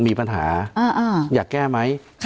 มีปัญหาอยากแก้ไหม